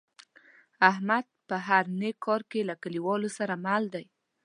احمد په هر نیک کار کې له کلیوالو سره مل دی.